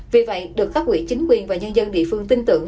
vì vậy được cấp quỹ chính quyền và nhân dân địa phương tin tưởng